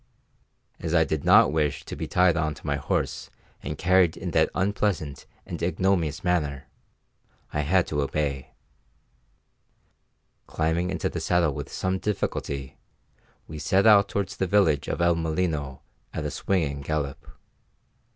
As I did not wish to be tied on to my horse and carried in that unpleasant and ignominious manner, I had to obey. Climbing into the saddle with some difficulty, we set out towards the village of El Molino at a swinging gallop.